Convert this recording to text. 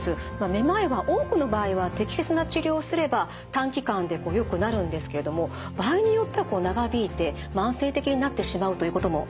めまいは多くの場合は適切な治療をすれば短期間でよくなるんですけれども場合によっては長引いて慢性的になってしまうということもあるんです。